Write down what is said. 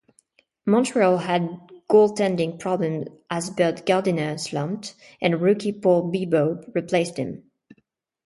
Montreal had goaltending problems as Bert Gardiner slumped, and rookie Paul Bibeault replaced him.